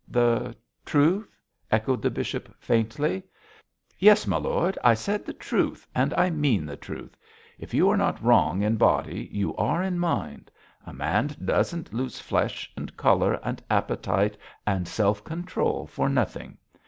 'The truth?' echoed the bishop, faintly. 'Yes, my lord, I said the truth, and I mean the truth. If you are not wrong in body you are in mind. A man doesn't lose flesh, and colour, and appetite, and self control for nothing.